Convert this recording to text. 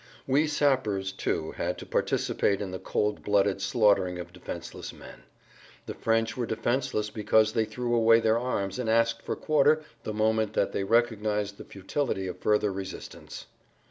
We sappers, too, had to participate in the cold blooded slaughtering of defenseless men. The French were defenseless because they threw away their arms and asked for quarter the moment that they recognized the futility of further resistance.